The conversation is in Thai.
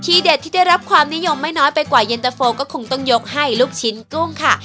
เด็ดที่ได้รับความนิยมไม่น้อยไปกว่าเย็นตะโฟก็คงต้องยกให้ลูกชิ้นกุ้งค่ะ